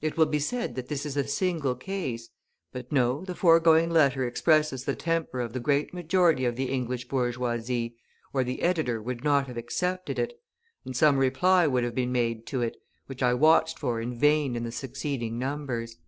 It will be said that this is a single case; but no, the foregoing letter expresses the temper of the great majority of the English bourgeoisie, or the editor would not have accepted it, and some reply would have been made to it, which I watched for in vain in the succeeding numbers.